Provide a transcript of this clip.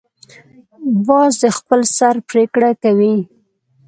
باز د خپل سر پریکړه کوي